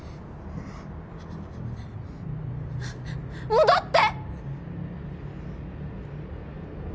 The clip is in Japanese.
戻って！